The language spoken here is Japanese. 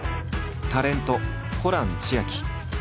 タレントホラン千秋。